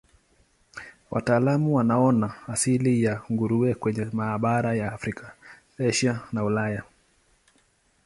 Wataalamu wanaona asili ya nguruwe kwenye mabara ya Afrika, Asia na Ulaya.